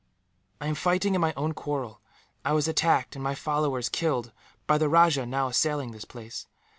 "I am fighting in my own quarrel. I was attacked, and my followers killed, by the rajah now assailing this place.